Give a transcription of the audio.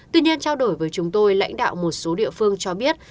tuy nhiên trao đổi với chúng tôi lãnh đạo một số địa phương cho biết